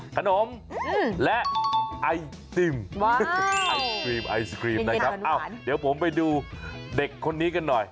ขนมและไอติมไอศครีมไอศครีมนะครับเอ้าเดี๋ยวผมไปดูเด็กคนนี้กันหน่อย